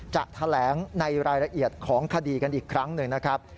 จะแถลงในรายละเอียดของคดีกันอีกครั้งหนึ่งนะครับ